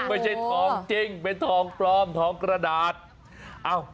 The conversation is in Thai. ไม่ใช่ทองจริงเป็นทองปลอมทองกระดาษ